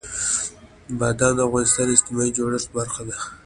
بادام د افغانستان د اجتماعي جوړښت برخه ده.